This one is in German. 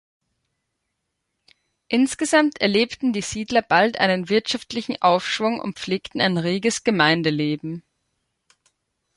Insgesamt erlebten die Siedler bald einen wirtschaftlichen Aufschwung und pflegten ein reges Gemeindeleben.